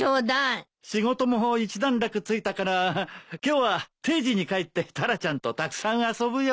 仕事も一段落ついたから今日は定時に帰ってタラちゃんとたくさん遊ぶよ。